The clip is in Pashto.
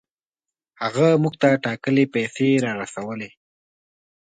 هغه موږ ته ټاکلې پیسې را رسولې.